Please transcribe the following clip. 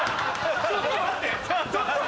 ちょっと待って！